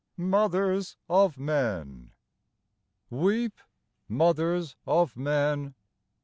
45 MOTHERS OF MEN Weep, mothers of men